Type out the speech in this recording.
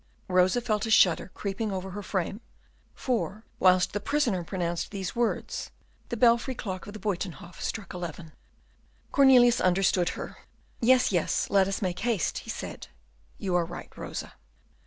Rosa felt a shudder creeping over her frame, for, whilst the prisoner pronounced these words, the belfry clock of the Buytenhof struck eleven. Cornelius understood her. "Yes, yes, let us make haste," he said, "you are right, Rosa."